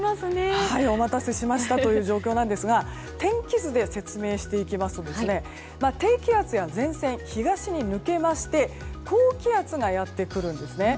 お待たせしましたという状況ですが天気図で説明していきますと低気圧や前線、東に抜けまして高気圧がやってくるんですね。